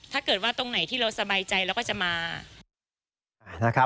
ถ้าเกิดว่าตรงไหนที่เราสบายใจเราก็จะมา